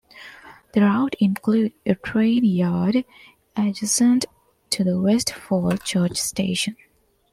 The route includes a train yard adjacent to the West Falls Church station.